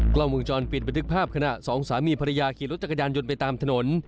กล้องวงจรปิดบันทึกภาพขณะสองสามีภรรยาขี่รถจักรยานยนต์ไปตามถนน